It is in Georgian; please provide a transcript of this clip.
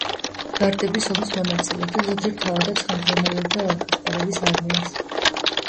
ვარდების ომის მონაწილე და ზოგჯერ თავადაც ხელმძღვანელობდა ლანკასტერების არმიას.